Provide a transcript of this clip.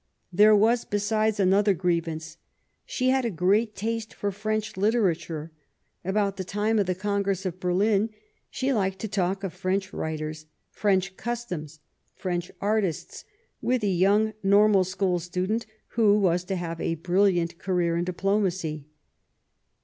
There was, besides, another grievance : she had a great taste for French literature ; about the time of the Congress of Bcrhn she hked to talk of French writers, French customs, French artists, with a young Normal School student who was to have a brilliant career in Diplomacy.